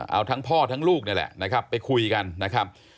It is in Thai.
เอาทั้งพ่อทั้งลูกนี่แหละนะครับไปคุยกันนะครับ